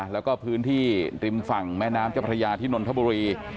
แล้วก็พื้นที่ริมฝั่งแม่น้ำเจ้าพระยาที่นนทบุรี